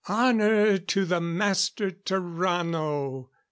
"Honor to the Master Tarrano!"